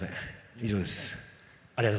以上です。